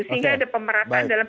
sehingga ada pemerataan dalam